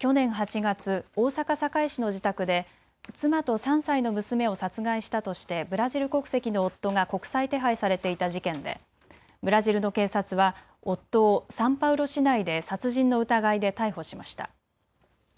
去年８月、大阪堺市の自宅で妻と３歳の娘を殺害したとしてブラジル国籍の夫が国際手配されていた事件でブラジルの警察は夫をサンパウロ市内で殺人の疑いで逮捕しました。